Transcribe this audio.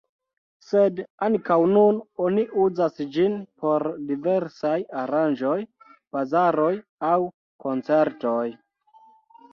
Sed ankaŭ nun oni uzas ĝin por diversaj aranĝoj, bazaroj aŭ koncertoj.